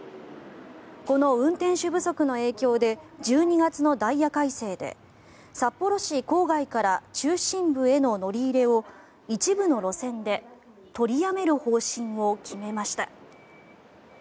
この運転手不足の影響で１２月のダイヤ改正で札幌市郊外から中心部への乗り入れを一部の路線で取りやめる方針を決めました。